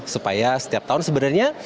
supaya setiap tahun sebenarnya